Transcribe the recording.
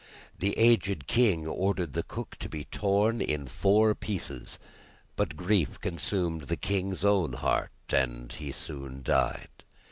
The aged king ordered the cook to be torn in four pieces, but grief consumed the king's own heart, and he soon died.